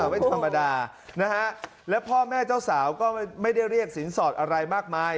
ไม่ธรรมดานะฮะและพ่อแม่เจ้าสาวก็ไม่ได้เรียกสินสอดอะไรมากมาย